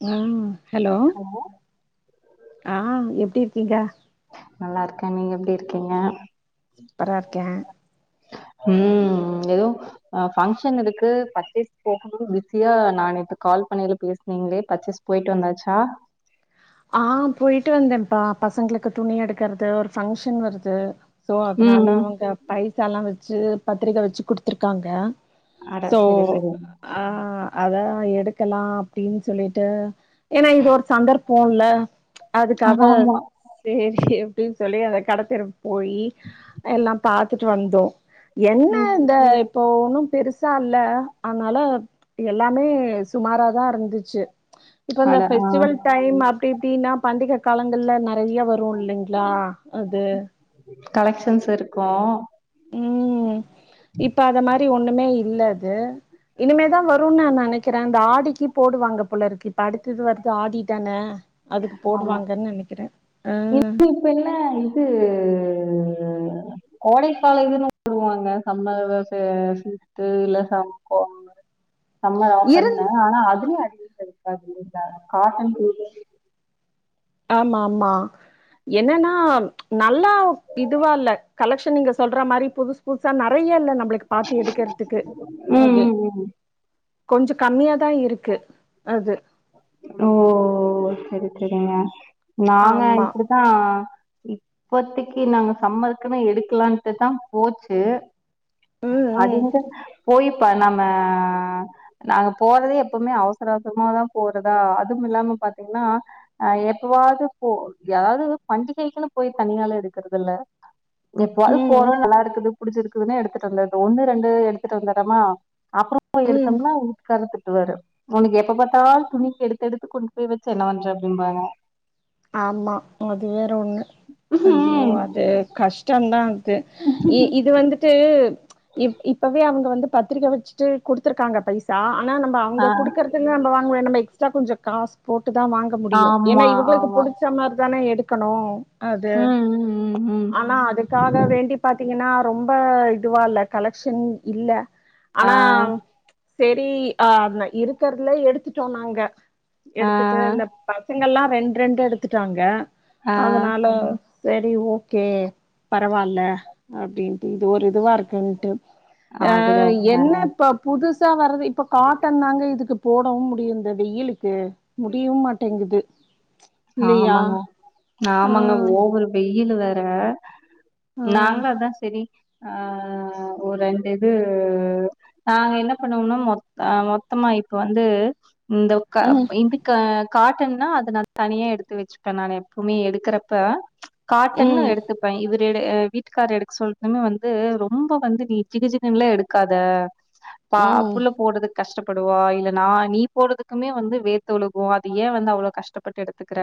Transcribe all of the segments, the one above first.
ம் ஹலோ ஆ எப்டி இருக்கீங்க நல்லா இருக்கே நீங்க எப்படி இருக்கீங்க சூப்பரா இருக்கே ம் எதோ பங்க்ஷன் இருக்கு பர்ச்சேஸ் போகணுன் பிஸியா நா நேத்து கால் பண்ணயில பேசுனிங்ளே பர்ச்சேஸ் போயிட்டு வந்தாச்சா ஆ போயிட்டு வந்தே ம்ப்பா பசங்களுக்கு துணி எடுக்கறது ஒரு ஃபங்க்ஷன் வருது சோ அதனால ம் அவுங்க பைசாலா வச் சு பத்திரிக்க வெச்சு குடுத்துருக்காங்க அட சோ சரி சரி ஆ அதா எடுக்கலா அப்டின்னு சொல்லிட்டு ஏன்னா இது ஒரு சந்தர்ப்ப போன்ல அதுக்காக ஆமா சேரி அப்டின்னு சொல்லி அத கடத்தெரு போய் எல்லா பாத்துட்டு வந்தோ என்ன ம் இந்த இப்போ ஒன்னு பெருசா இல்ல அதனால எல்லாமே சுமாராதா இருந்துச்சு இப்ப இந்த அட ஆ ஃபெஸ்டிவல் அப்டி இப்டின்னா பண்டிக காலங்கள்ல நறைய வரு இல்லைங்ளா அது கலெக்ஷன்ஸ் இருக்கு ம் இப்ப அத மாரி ஒண்ணுமே இல்ல து இனிமேதா வருன்னு நா நெனை கிறே அந்த ஆடிக்கு போடுவாங்க போலருக்கு இப்ப அடுத்தது வருது ஆடி தான அதுக்கு போடுவாங்கன்னு நெனைக்கிற இன் இப்பல்ல இது கோடைக்கால இதுன்னு போடுவாங்க சம்மர் விச சீட்டு இல்ல சம் கோ சம்மர் ஆஃபர்ன் இருந் தான ஆனா அதுலயு அடி [inaudible] இருந்தா காட்டன் [inaudible] ஆமா ஆமா என்னன்னா நல்லா இதுவா இல்ல கலெக்ஷன் நீங்க சொல்ற மாரி புதுசு புதுசா நறைய இல்ல நம்மளுக்கு பாத்து எடுக்கறதுக்கு ம் அது ம் ம் கொஞ்ச கம்மியாதா இருக்கு அது ஓ சரி சரிங்க நாங்க ஆமா இப்பிடித்தா இப்பத்திக்கு நாங்க சம்மர்க்குமே எடுக்கலான்ட்டு தா போச்சு ம் ம் அதுங்க போயிப்ப நம்ம நாங்க போறதே எப்பவுமே அவச ரசமாதா போறதா அதும் இல்லாம பாத்தீங்ன்னா அ எப்பவாவ்து போ யாது பஞ்சிகைக்குனு போய் தனியால எடுக்குறதுல்ல எப்வாது ம் போறோ நல்லாடுக்குது புடிச்சிருக்குதுன்னா எடுத்துட் வந்தது ஒன்னு ரெண்டு எடுத்துட் வந்துறமா [inaudible] ம் எடுத்தம்னா உக்காறத்து வேற உனுக்கு எப்ப பாத்தால் துணிக்கு எடுத்தெடுத்து கொண்டு போய் வெச்சனான்ற அப்டிம்பாங்க ஆமா அதுவே டவுண்ணு ஐயோ ம்ஹ்ம். அது கஷ்டொ தா இ இது வந்துட்டு இப் இப்பவே அவுங்க வந்து பத்ரிக்க வச்ட்டு குடுத்துருக்காங்க பைசா நா நம்ப அங்க ஆ குடுக்கற்து நம்ப வாங்கவே நம்ப எக்ஸ் சா கொஞ்ச காஸ் போ டு தா வாங்க முடியு ஆமா, ஏன்னா இவுங்ளுக் ஆமா. புடிச்ச மார் தானே எடு கணு அது ம், ம், ம், ம். ஆனா அதுக்காக வேண்டி பாத்தீங்கனா ரொம்ப இதுவால்ல கலக்க்ஷன் இல்ல ஆ, ஆனா செரி [unintelligible] இருக்கற்துல எடுத்துட்டோ நாங்க ஆ, எடுத்துட்டு இந்த பசங்கல்லா [unintelligible] ரெண்டெடுத்துட்டாங்க ஆ. அதனால சரி ஒகே பரவால்ல அப்படின்ட்டு இது ஒரு இதுவா இருக் என்டு ஆ அது அதுதான். என்ன ப்ப புதுஸ் தா வர்து இப்ப காட்டன் தாங்க இதுக்கு போடவும் முடியுந்த வெயிலுக் கு முடியும் மாட்டேங்குது இல்லையா ஹாமாங்க ஆ ஆமாங்க ஓவர் வெயிலு வே ஆஹ் ஆ நாங்களு அதா செரி ஆஹ் ஒ ரெண்டு இது நாங்க என்ன பண்ணோம்னா மொத்த மொத்தமா இப்ப வந்து இந்த ம் ஊக்காப இதுக்க காட்டன்னா அதுனல் தனியா எடுத்து வச்சுப்பேன் நா எப்போமே எடுக்கறப்ப காட்டன்னு ம் எடுத்துப்பே இவ வீடு அ வீட்டுக்காரு எடுக்க சொல்துமே வந்து ரொம்ப வந்து நீ ஜிகுஜிகுன்லா எடுக்காத பா ம் புள்ள போடுதுக் கஷ்டப்படுவா இல்ல நா நீ போடுதுக்குமே வந்து வேத்து ஒழுகு அது ஏன் வந்து அவ்ளோ கஷ் டப்பட்டெடுத்துக்ற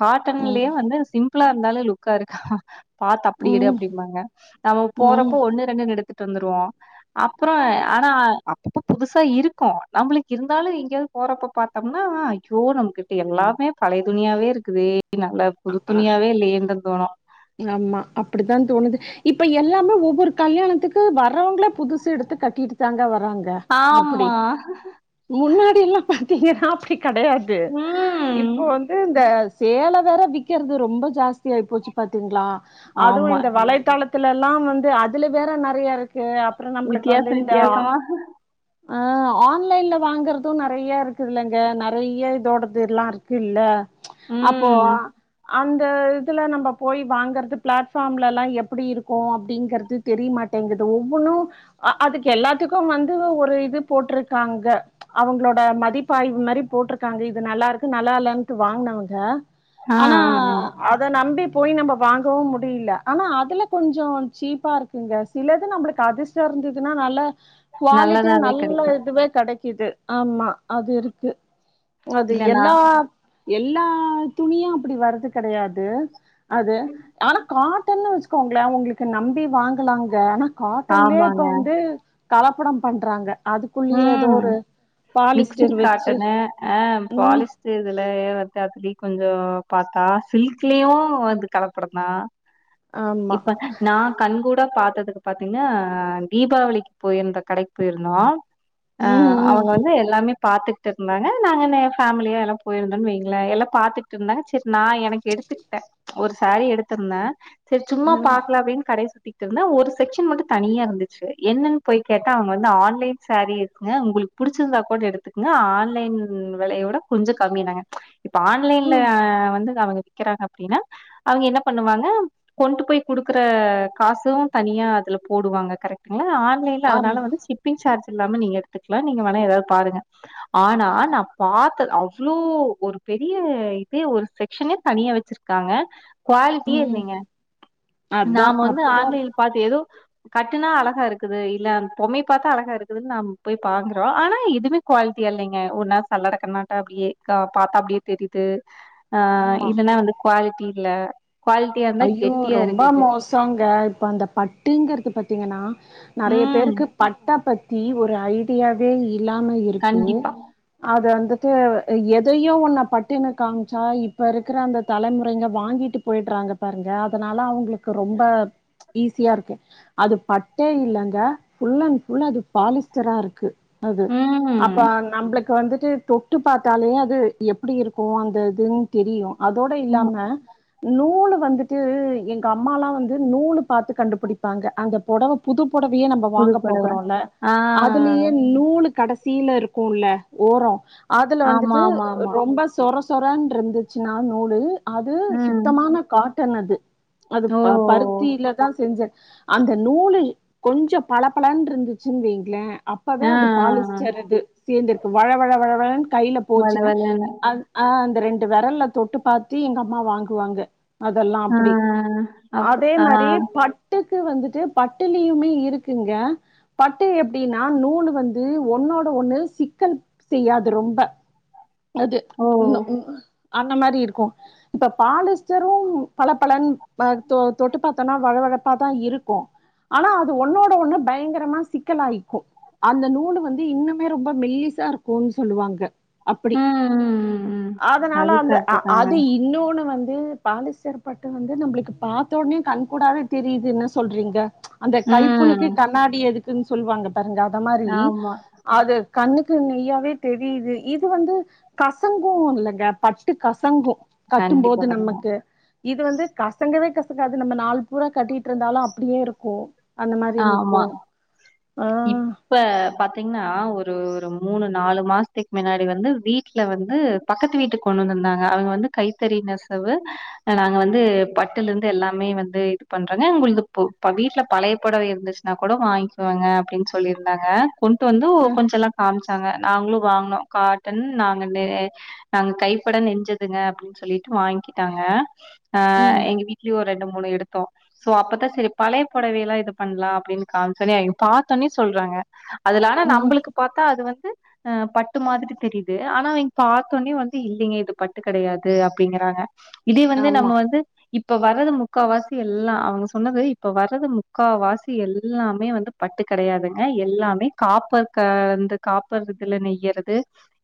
காட்டன்லயே ம் வந்து சிம் ப்லா இருந்தாலே லுக்கா இருக்காஹ் பாத்து அப்புடி எடு ம் அப்டின்பாங்க நம்ம ம் போறப்போ ஒன்னு ரெண்டுன்னு எடுத் எடுத்துட்டு வந்துருவா அப்பறோ ஆனா அப்பப்போ புதுசா இருக்கோ நம்புளுக்கு இருந்தாலு எங்கேயாவது போறப்ப பாத்தோம்னா ஐயோ நம்கிட்ட எல்லா மே பழைய துணியாவே இருக்குதே புது ஆ துணியாவே இல்லையேன்னு தா தோணு ஆமா அப்புடித்தா தோணுது இப்ப எல்லாமே ஒவ்வோர் கல்யாணத்துக்கு வர் க்றவங்களே புதுசு எடுத்து கட்டிட்டு தாங்க வராங்க அப்புடி ஆமா முன்னாடி எல்லா பாத் ஆப்டி கெடயாது ம் இப்போ வந்து இந்த சேலே வேற விக்கிறது ரொம்ப ஜாஸ்தி ஆயி போச்சு பாத்தீங்ளா அதுவு ஆமா இந்த வலைத்தளத் இதுலல்லா வந்து அதுல வேற நறையா இருக் அப்றொ நம்ப்ளுக்கு வித்தியாச வந்து இந்த வித்தியாசமா ஆ ஆன்லைன்ல வாங்கறது நறைய இருக்குதுல்லங்க நறைய இதோடதுல்லா இருக்கு இல்ல அப்போ ம் அந்த இதுல நம்ப போய் வாங்கற்து பிளாட்ஃபார்ம்லல்லாம் எப்புடி இருக்கு அப்டிங்கற்து தெரிய்மாட்டேங்குது ஒவ்வொன்னு அதுக்கு எல்லாத்துக்கு வந்து ஒரு இது போட்ருக்காங்க அவங்ளோட மதிப்பாய்வு மரி போட்ருக்காங்க இது நல்லாருக்கு நல்லாலன்ட்டு வாங்னவங்க ஆ ஆனா ஆ ஆ அத நம்பி போய் நம்ப வாங்கவு முடியில ஆனா அதுல கொஞ்சொ சீப்பா இருக்குங்க சிலது நம்ளுக்கு அதிர்ஷ்டொ இருந்துதுன்னா நல்ல குவாலிட்டியா நல்லதாவே நல்ல கெடைக்கு இதுவே கடக் கிது ஆமா அது இருக்கு அது இல்லன்னா எல்லா எல்லா துணிய அப்புடி வறது கடையாது அது ஆனா காட்டன்னு வச் கோங்ள ஒங்ளுக்கு நம்பி வாங்கலாங்க அனா காட்டன்லே இப்ப ஆமாங்க. வந்து கலப் ப்படம் பண்றாங்க அதுக்குள்ளயே ஏதோ ம் ஒரு மிக்ஸுடு பாலிஸ்டர் வச்சு காட்டணு அ ம் பாலிஸ்டு இதுல [unintelligible] திலு கொஞ்சோ பாத்தா சில்க்லியு வந்து கலப்படம்தா ஆமா. இப்ப நா கண்கூட பாத்ததுக்கு பாத்தீங்ன்னா தீபாவளிக்கு போய்ருந்த கடைக் போய்ருந்தோ அ ம் ம். அவங்க வந்து எல்லாமே பாத்துட்க் இருந்தாங்க நாங்கென்ன ஃபேமிலியா எல்லா போயிருந்தோன் வைங்களே எல்லா பாத்துட்ருந்தாங்க செ நா எனக் எடுத்துக்கிட்டே ஒரு சேரி எடுத்திர்ந்தே செர் சும்மா ம். பாக்லா அப்டின் கடை ட்டிக் இருந்த ஒரு செக்ஷன் மட்டு தனியா இருந்துச்சு என்னன் போய் கேட்டா அவுங்க வந்து ஆன்லைன் சேரி இருக்கு உங்குளுக் புடிச்சிருந்தா கூட எடுத்துக்ங்க ஆன்லைன் வெலயோட கொஞ்ச கம்மினாங்க ச்ச் இப்ப ஆன்லைன்ல ம். வந்து அவங்க விக்கிறாங்க அப்டீனா அவங்க என்ன பண்ணுவாங்க கொண்ட்டு போய் குடுக்குற காசு தனியா அதுல போடுவாங்க கரெக்டுங்ளா ஆ இல்ல இல்ல ஆமா. அதனால வந்து ஷிப்பிங் சார்ஜ் இல்லாம நீங்க எடுத்துக்லா நீங்க வேண எதாவ் பாருங்க ஆனா நா பாத்தத் அவ்ளோ ஒரு பெரிய இதே ஒரு செக்சனே தனியா வெச்சிர்க்காங்க குவாலிட்டியே ம் இல்லைங்க அதா நாம வந்து அப்டிதா இருக்கு ஆன்லைன் பாத்த எது கட்டுனா அழகா இருக்குது இல்ல அந் பொம்மை பாத்தா அழகா இருக் இது வந் நாம போய் பாக்குறோ ஆனா எதுமே குவால்ட்டியா இல்லைங்க ஒர் நா சல்லட கண்ணாட்ட அப்டியே க பாத்தா அப்டியே தெரியுது அ ஆமா இல்லனா வந்து குவால்ட்டி இல்ல குவாலிட்டியா இருந்தா ஐயோ கெட்டியா ரொம்ப இருக்குது மோசோங்க இப்ப அந்த பட்டிங்கறது பாத் தீங்கன்னா நெறைய ம் பேருக்கு பட்டா ப த்தி இது ஒரு ஐடியாவே இல் லாம இருக்கு கண்டிப்பா. அது அந்த து எதையு ஒன்ன பட்டுன்னு காமிச்சா இப்போ இருக்கிற அந்த தலைமுறைங்க வாங்கிட்டு போய்ட்றாங்க பாருங்க அதனால அவுங்ளுக்கு ரொம்ப ச் ஈஸியா இருக்கு அது பட்டே இல்லங்க ஃபுல் அண் ஃபுல் அது பாலிஸ்டரா இருக்கு அது ம். அப்ப நம்ப்ளுக்கு வந் துட்டு தொட்டு பாத்தாலே அது எப்பிடி இருக்கோ அந்த இதுன்னு தெரியு அதோட ம். இல்லாம நூலு [unintelligible] ட்டு எங்க அம்மாலா வந்து நூலு பாத்து கண்டுபுடிப்பாங்க அங்க பொடவ புதுப் பொடவியே நம்ப புது வாங்க புடவ. போகுறோல ஆ. அதுலேயே நூலு கடசி கீழ இருக்குல ஓரோ அதுல ஆமா, வந்துட்டு ஆமா, ஆமா. ரொம்ப சொரஸ் சொரான் இருந்துச்சுன்னா நூலு அது ம். சுத்தமான காட்டு கட்டனது அது ஓ! ப பருத்தியிலதான் செஞ்சேன் அந்த நூலு கொஞ்சம் பள பளன்னு இருந்துச்சுன்னு வைங்ளேன் அப்பவே ஆ. அது பாலிஸ்டர் இது சேர்ந்திருக்கு வழவழவழ [unintelligible] கையில போச்சுன்னா வழவழன்னு. அந் அந்த ரெண்டு டு வெரல்ல தொட்டு பாத்து எங்க அம்மா வாங்குவாங்க அதெல்லா ஆ. அப்டி அப் அதே ஆ. மாரி பட்டு க்கு வந்துட்டு பட்டுலயுமே இருக்குங்க பட்டு எப்டின்னா நூலு வந்து ஒன்னோட ஒண்ணு சிக்கல் செய்யாது ரொம்ப அது ஓ! இன்னு ம் அ அந்த மாரி இருக்கு இப்ப பாலிஸ்டர் [unintelligible] பளபளன் னா தொ தொட்டு பாத்தோனா வழ வழப் ப்பா தான் இருக்கு ஆனா அது ஒன்னோட ஒண்ணு பயங்கரமா சிக்கல் ஆயிக்கு அந்த நூலு வந்து இன்னுமே ரொம்ப மெல்லிசா இருக்குன்னு சொல்லுவாங்க அப்படி ம், ம், ம், ம். அதனால அது அந்த அ கரெக்ட்டு தாங்க. அது இன்னொன்னு வந்து உஹ பாலிஸ்டர் பட்டு வந்து நம்பளுக்கு பாத்த ஒட்னே கண் கூடாவேத் தெரியுது என்ன சொல்றீங்க அந்த கைப்புண்ணுக்கு ம். கண்ணாடி எதுக்கு குன் சொல்வாங்க பாருங்க அத மாரி ஆமா. அது கண்ணுக்கு நெய்யாவே தெரியுது இது வந்து கசங்கு இல்லங்க பட்டு கசங்கு கட்டும்போது கண்டிப்பா ம். கட்னு நமக்கு இது வந்து கசங்கவே கசங்காது நம்ம நாள் பூரா கட்டிகிட்டு இருந்தாலு அப்டியே இருக்கு அந்த மாரி நிக்கு ஆமா ஆ இப்ப பாத்தீங்ன்னா ஒரு ரொம் மூணு நாலு மாசத்திக் மின்னாடி வந்து வீட்ல வந்து பக்கத்து வீட்டுக் கொண்டு வந்திருந்தாங்க அவங்க வந்து கைத்தறி நெசவு நாங்க வந்து பட்டுலிருந்து எல்லாமே வந்து இது பண்றங்க உங்கள்து பு ப வீட்ல பழைய புடவை இருந்துச்சுன்னா கூட வாங்க்குவாங்க அப்டின்னு சொல்லியிருந்தாங்க கொண்டு வந்து ஓ கொஞ்ச எல்லா காம்ச்சாங்க நாங்ளு வாங்னோ காட்டன் நாங்க நே நாங்க கைப்பட நெஞ்சதுங்க அப்டின்னு சொல்லிட்டு வாங்கிட்டாங்க ஆ ம் எங்க வீட்லயு ஒரு ரெண்டு மூ மூணு எடுத்தோ சோ அப்பதா சரி பழைய பொடவையெல்லா இது பண்லா அப்டின்னு காம்ச்சொன்னயே பாத்தொன்னயே சொல்றாங்க அதுலான ம் நம்பளுக்கு பாத்தா அது வந் கு ம் பட்டு மாதிரி தெரியுது ஆனா இங் பாத்தோன்னே வந்து இல்லிங்க இது பட்டு கெடையாது அப்டிங்கறாங்க இதே வந்து ஆமா நம்ம வந்து இப்ப வரது முக்காவாசி எல்லா அவங்க சொன்னது இப்ப வரது மு க்கா வாசி எல்லாமே வந்து பட்டு கெடையாதுங்க எல்லாமே காப்பர் கலந்து காப்பர் இதுல நெய்யறது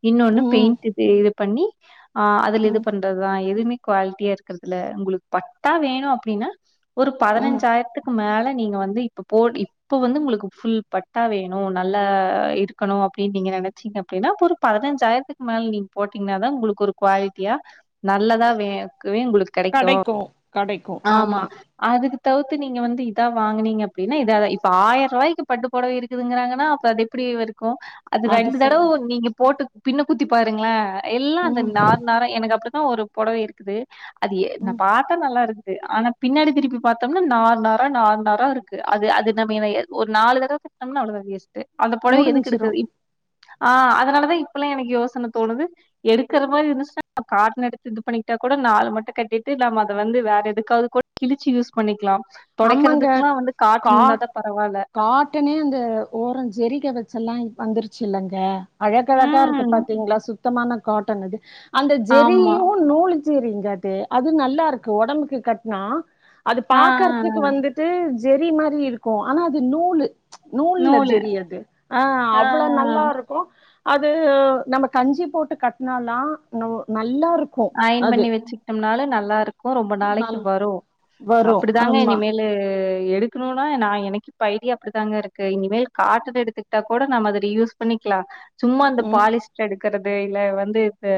இன்னொன்னு ம் பெயிண்ட் இது இது பண்ணி ஆ அதுல இது ம் பண்றதுதா எதுமே குவால்ட்டியா இருக்கிறதுல்ல உங்களுக் பட்டா வேணு அப்டின்னா ஒரு ம் பதனஞ்சாயிரத்துக்கு மேல நீங்க வந்து இப்ப போ இப்ப வந்து உங்களுக்கு ஃபுல் பட்டா வேணு நல்லா இருக்கணு அப்டின்னு நீங்க நெனச்சீங்க அப்டின்னா அப்ப ஒரு பதனஞ்சாயிரத்துக் மேல நீங்க போட்டீங்ன்னா தா உங்களுக்கு ஒரு குவாலிட்டியா நல்லதா வே க்குவே உங்களுக்கு கெடைக்கு கடைக்கு கடைக்கு ஆமா அதுக்கு தவுத்து நீங்க வந்து இதா வாங்கனீங்க அப்டினா இதா இப்ப ஆயர்ரூவாய்க்கு பட்டு பொடவை இருக்குதுங்கறாங்கனா அப்ப அது எப்டி வரு க்கு அது ரெண்டு தடவ நீங்க போட்டு பின்ன குத்தி பாருங்கள எல்லா அந்த ம் நார் நாரா எனக்கு அப்டி தா ஒரு பொடவை இருக்குது அது ஏ நா ம் பாத்தா நல்லா இருந் து ஆனா பின்னாடி திருப்பி பாத்தோம்னா நார் நாரா நார் நாரா இருக்கு அது அது நம்ம ஒரு நாலு தடவ கட்னோம்னா அவ்ளதா வேஸ்ட் டு அந்த பொடவை எதுக்கு முடிஞ்சிரும் எடுக்கறது இப் ஆ அதனாலதா இப்பல்லா எனக்கு யோசன தோணுது எடுக்கற மாரி இருந்துச்சுன்னா காட்டனு எடுத்து இது பண்ணிட்டா கூட நாலு மட்டு கட்டிட்டு நாம அத வந்து வேற எது எதுக்காவது கூட கிழிச்சி யூஸ் பண்ணிக்கலா அம்மாங்க தொடைக்கிறதுக்குல்லா வந்து காட்டன் கா இருந்தாதா பரவால்ல காட்டனே அந்த ஓரோ ஜெரிக வச்செல்லா வந்துருச்சி இல்லங்க அழகழகா இருக்கு ம் பாத்தீங்களா சுத்தமான காட்டன் அது அந்த ஜெரியு ஆமா நூலு ஜெரிங்க அது அது நல்லா இருக்கு ஒடம்புக்கு கட்னா அது ஆ ஆ பாக்கற் ஆ. துக்கு வந்துட்டு ஜெரி மாரி இருக்கூ ஆனா அது நூலு நூல்ல நூலு ஜெரி அது ஆ அவ்வள நல்லா இருக்கூ அது நம்ம கஞ்சி போட்டு கட்டுனால்லா நோ ந நல்லா இருக்கும் அயன் அது பண்ணி வச்சுக்ட்டம்னாலு ந ல்லா இருக்கு ரொம்ப நாளைக்கு நல் வரு வரும் அப்படிதாங்க ஆமா இனிமேலு எ எடுக்கணுனா நா எனக்கு இப்ப ஐடியா அப்படிதாங்க இருக்கு இனிமேல் காட்டன் எடுத்துக்கிட்டா கூட நாம அத ரியூஸ் பண்ணிக்லா சும்மா அந்த ம் பாலிஸ்டர் எடு க்கறது இல்ல வந்து இந்த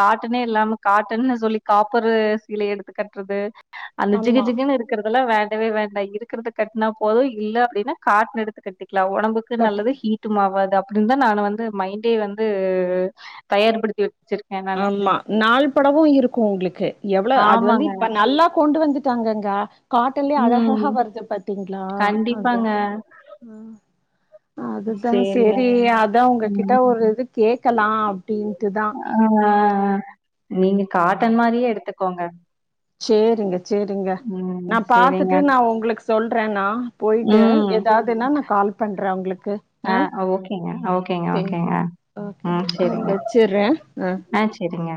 காட்ட னே இல்லாம காட்டன் சொல்லி காப்பரு சீலை எடுத்து கட்றது அந்த ஆமா ஜிகுஜிகுனு இருக்கறது இதல்லா வேண்டவே வேண்டா இருக்கறது கட்னா போது இல்ல அப்படின்னா காட்டன் எடுத்து கட்டி க்லா ஒடம்புக்கு நல்லது கட்டுக்கு ஹீட்டுமாவாது அப்படின்தா நானு வந்து மைண்டே வந்து தயார்படுத்தி வச்சிருக்கே நானு ஆமா நாள் படவு இருக்கு உங்குளுக்கு எவ்ள அது வந்து ஆமாங்க இப்ப நல்லா கொண்டு வந்துட் டாங்கங்க காட்டன்லயே ம் அழகழகா வருது பாத்தீங்களா அதா கண்டிப்பாங்க அ அதுதா சேரிங்க சரி அதா ம் உங்ககிட்ட ஒரு இது கேக்கலா அப்டின்ட்டுதா ஆ அ நீங்க காட்டன் மாரியே எடுத்துக்கோங்க சேரிங்க சேரிங்க ம் நா சேரிங்க பாத்துட்டு நா உங்குளுக்கு சொல் ட்ற நா போய்ட்டு ம் ஏதாதுன்னா நா கால் பண்ற உங்ளுக்கு ஆ அ ஓகேங்க ஓகேங்க சேரி ஓகேங்க ஓகேங்க ம் நா சேரிங்க வச்சுர்றே அ ஆ சேரிங்க